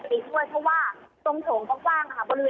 ลงมาจากข้างบน